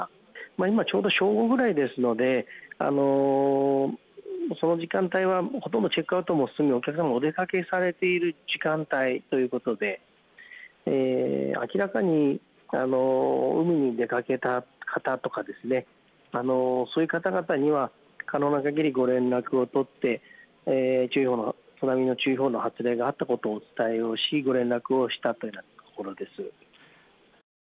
今ちょうど、正午ぐらいですのでその時間帯はほとんどチェックアウトも済んでお客様もお出かけされている時間帯ということで明らかに海に出かけた方とか、そういう方々には可能なかぎりご連絡を取って津波の注意報の発令がっあったことをご連絡をしたところです。